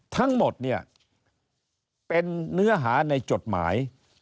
ทั้งหมดเนี่ยเป็นเนื้อหาในจดหมาย